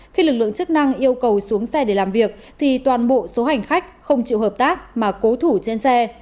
khi lực lượng chức năng yêu cầu xuống xe để làm việc thì toàn bộ số hành khách không chịu hợp tác mà cố thủ trên xe